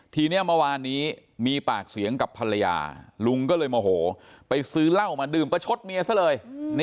ทีนี้เมื่อวานนี้มีปากเสียงกับภรรยาลุงก็เลยโมโหไปซื้อเหล้ามาดื่มประชดเมียซะเลย